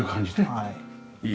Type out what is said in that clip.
はい。